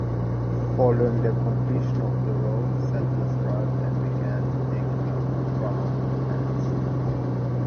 Following the completion of the road, settlers arrived and began taking up crown lands.